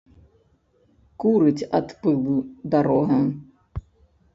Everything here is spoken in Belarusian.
Курыць ад пылу дарога.